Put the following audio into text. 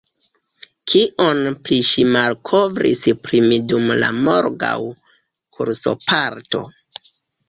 Kion pli ŝi malkovris pri mi dum la morgaŭa kursoparto?